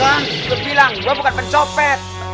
aduh kan gue bilang gue bukan pecopet